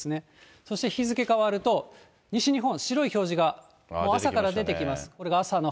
そして日付変わると、西日本、白い表示がもう朝から出てきます。